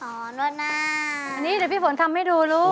อันนี้เดี๋ยวพี่ฝนทำให้ดูลูก